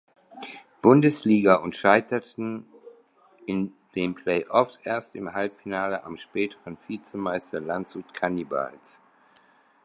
Bundesliga und scheiterten in den Play-offs erst im Halbfinale am späteren Vizemeister Landshut Cannibals.